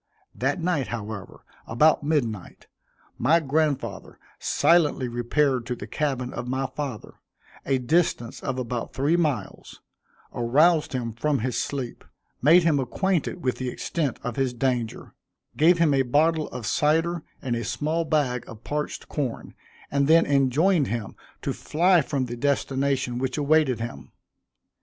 That night, however, about midnight, my grandfather silently repaired to the cabin of my father, a distance of about three miles, aroused him from his sleep, made him acquainted with the extent of his danger, gave him a bottle of cider and a small bag of parched corn, and then enjoined him to fly from the destination which awaited him.